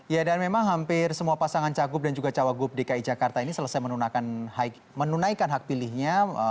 ya dan memang hampir semua pasangan cagup dan juga cawagup dki jakarta ini selesai menunaikan hak pilihnya